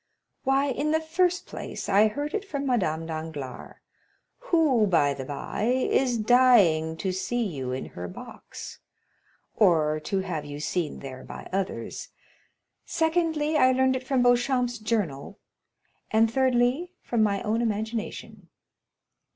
"Why, in the first place, I heard it from Madame Danglars, who, by the by, is dying to see you in her box, or to have you seen there by others; secondly, I learned it from Beauchamp's journal; and thirdly, from my own imagination.